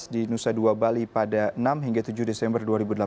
di nusa dua bali pada enam hingga tujuh desember dua ribu delapan belas